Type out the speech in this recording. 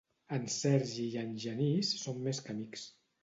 En Sergi i en Genís són més que amics.